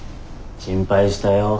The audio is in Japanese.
心配したよ。